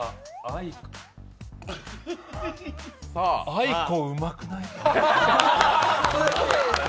あいこ、うまくない？